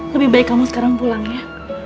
lebih baik kamu sekarang pulang ya